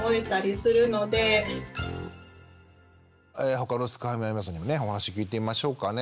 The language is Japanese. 他のすくファミの皆さんにもねお話聞いてみましょうかね。